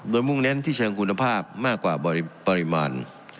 โดยมุ่งเน้นที่เชิงคุณภาพมากกว่าปริมาณ